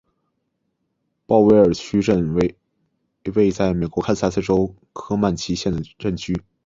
鲍威尔镇区为位在美国堪萨斯州科曼奇县的镇区。